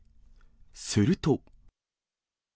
すると。